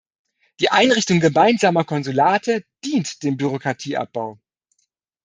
Die Einrichtung gemeinsamer Konsulate dient dem Bürokratieabbau.